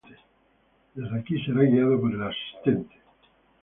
Desde aquí será guiado por el asistente